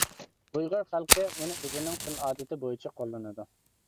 ئۇيغۇر خەلقى ئۇنى ئۆزىنىڭ تىل ئادىتى بويىچە قوللىنىدۇ.